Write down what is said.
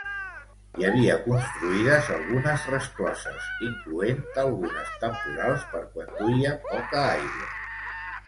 Hi havia construïdes algunes rescloses incloent algunes temporals per quan duia poca aigua.